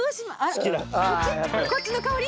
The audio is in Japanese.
こっちの香り？